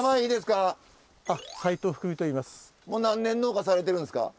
もう何年農家されてるんですか？